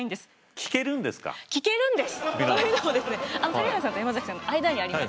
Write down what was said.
聞けるんです！というのもですね谷原さんと山崎さんの間にあります。